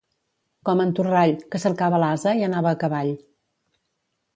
Com en Torrall, que cercava l'ase i anava a cavall.